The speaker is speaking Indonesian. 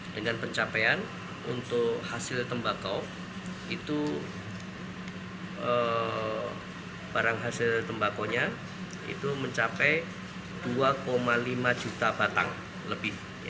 dengan pencapaian untuk hasil tembakau itu barang hasil tembakaunya itu mencapai dua lima juta batang lebih